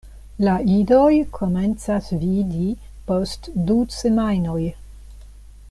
La idoj komencas vidi post du semajnoj.